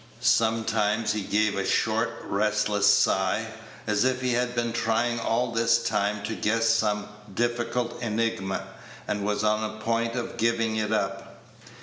Sometimes he gave a short restless sigh, as if he had been trying all this time to guess some difficult enigma, and was on the point of giving it up.